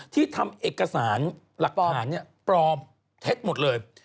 ที่ทำเอกสารหลักฐานปลอมเท็จหมดเลย